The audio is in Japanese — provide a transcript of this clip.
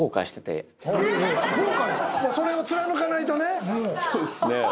それを貫かないとね。